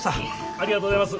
ありがとうございます。